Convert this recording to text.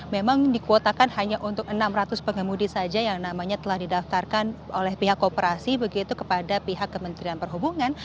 memang dikuotakan hanya untuk enam ratus pengemudi saja yang namanya telah didaftarkan oleh pihak kooperasi begitu kepada pihak kementerian perhubungan